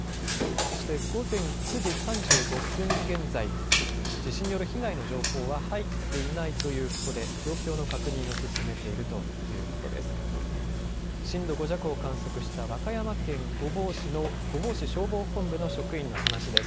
そして午前９時３５分現在、地震による被害の情報は入っていないということで状況の確認を進めているということです。